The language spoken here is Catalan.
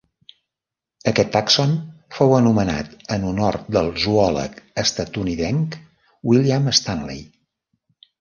Aquest tàxon fou anomenat en honor del zoòleg estatunidenc William Stanley.